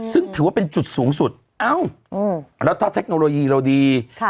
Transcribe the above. ซึ่งถือว่าเป็นจุดสูงสุดเอ้าแล้วถ้าเทคโนโลยีเราดี